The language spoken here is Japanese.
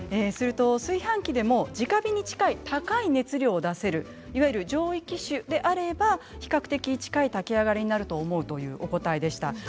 すると炊飯器でもじか火に近い高い熱量を出せるいわゆる上位機種であれば比較的近い炊き上がりになると思うというお答えでした。